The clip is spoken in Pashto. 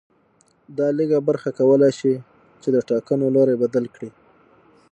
دا لږه برخه کولای شي چې د ټاکنو لوری بدل کړي